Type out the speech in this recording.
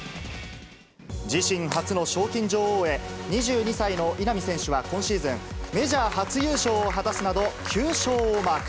自身初の賞金女王へ、２２歳の稲見選手は今シーズン、メジャー初優勝を果たすなど、９勝をマーク。